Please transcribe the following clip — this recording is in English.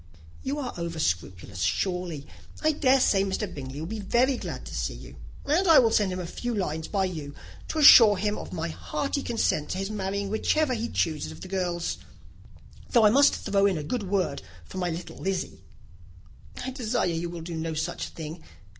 "You are over scrupulous, surely. I dare say Mr. Bingley will be very glad to see you; and I will send a few lines by you to assure him of my hearty consent to his marrying whichever he chooses of the girls though I must throw in a good word for my little Lizzy." "I desire you will do no such thing.